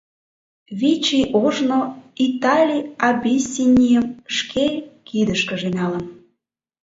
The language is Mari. Вич ий ожно Италий Абиссинийым шке кидышкыже налын.